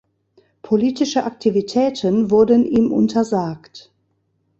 Politische Aktivitäten wurden ihm untersagt.